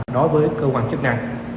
đối với cơ quan chức năng